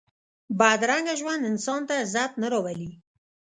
بدرنګه ژوند انسان ته عزت نه راولي